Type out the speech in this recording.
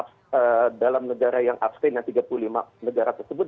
kita tidak masuk dalam negara yang abstain yang tiga puluh lima negara tersebut